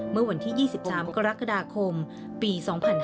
เมื่อวันที่๒๓กรกฎาคมปี๒๕๕๙